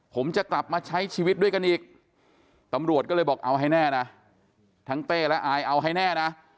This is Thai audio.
ผมจะกลับมาใช้ชีวิตด้วยกันอีกตำรวจก็เลยบอกเอาให้แน่นะทั้งเต้และอายเอาให้แน่นะ